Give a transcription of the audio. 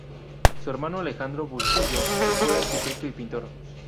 Su hermano Alejandro Bustillo fue arquitecto y pintor.